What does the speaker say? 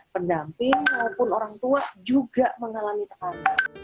pendamping maupun orang tua juga mengalami tekanan